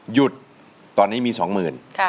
หยุดตอนนี้มี๒หมื่น